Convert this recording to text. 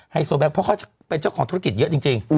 โซแก๊กเพราะเขาเป็นเจ้าของธุรกิจเยอะจริง